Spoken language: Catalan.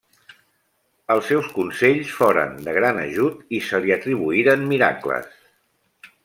Els seus consells foren de gran ajut i se li atribuïren miracles.